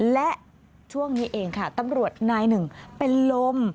และช่วงนี้เองค่ะตำรวจนายหนึ่งเป็นลม